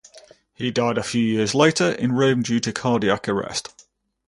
He died a few years later in Rome due to cardiac arrest.